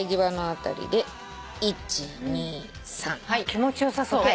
気持ちよさそう。